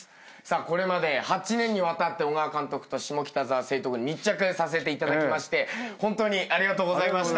これまで８年にわたって小川監督と下北沢成徳に密着させていただきましてホントにありがとうございました。